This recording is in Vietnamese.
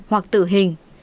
hoặc tự hình